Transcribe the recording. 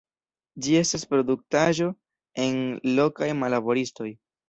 Ĝi estas produktaĵo de lokaj manlaboristoj.